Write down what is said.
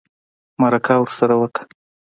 مرکه ورسره وکړه